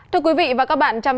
chào các bạn